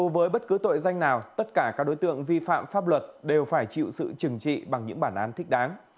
với bất cứ tội danh nào tất cả các đối tượng vi phạm pháp luật đều phải chịu sự trừng trị bằng những bản án thích đáng